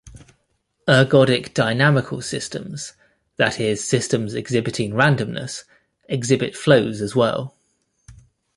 Ergodic dynamical systems, that is, systems exhibiting randomness, exhibit flows as well.